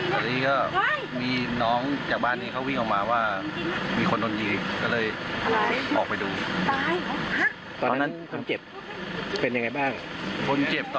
พ่อเห็นบรอยเลือด